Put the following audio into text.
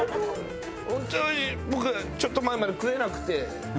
僕ちょっと前まで食えなくて飯を。